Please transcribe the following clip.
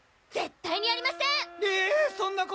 絶対にやりません！